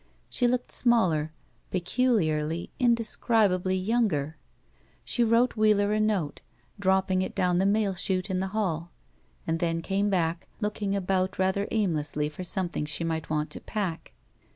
She looked smaller, peculiarly, indescribably yoimger. She wrote Wheeler a note, dropping it down the mail chute in the hall, and then came back, looking about rather aimlessly for something she might want to pack.